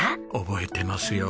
覚えてますよ。